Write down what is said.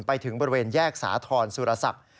ไปถึงบริเวณแยกสาธรณ์สุรศักดิ์